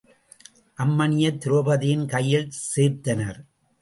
அம் மணியைத் திரெளபதியின் கையில் சேர்த்தனர்.